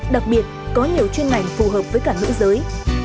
đặc biệt có nhiều chuyên ngành phù hợp với cả nữ giới